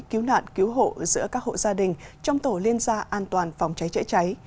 cứu nạn cứu hộ giữa các hộ gia đình trong tổ liên gia an toàn phòng cháy chữa cháy